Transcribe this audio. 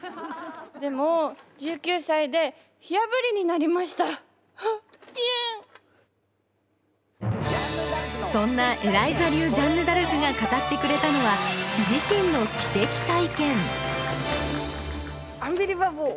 でもそんなエライザ流ジャンヌ・ダルクが語ってくれたのは自身の奇跡体験アンビリバボー！